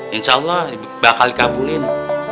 insya allah bakal dikabulin